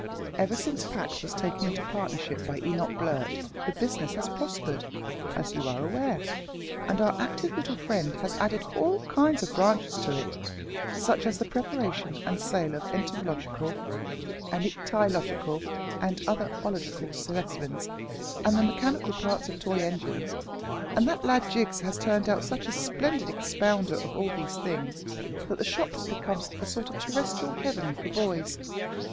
Ever since Pax was taken into partnership by Mr Enoch Blurt the business has prospered, as you are aware, and our active little friend has added all kinds of branches to it such as the preparation and sale of entomological, and ichthyological, and other ological specimens, and the mechanical parts of toy engines; and that lad Jiggs has turned out such a splendid expounder of all these things, that the shop has become a sort of terrestrial heaven for boys.